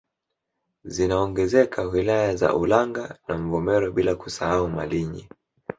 Zinaongezeka wilaya za Ulanga na Mvomero bila kusahau Malinyi